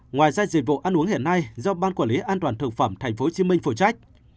ngoài ra dịch vụ ăn uống hiện nay do ban quản lý an toàn thực phẩm tp hcm phụ trách